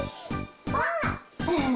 ばあっ！